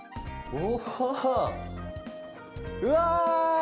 お！